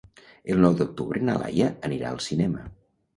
El nou d'octubre na Laia anirà al cinema.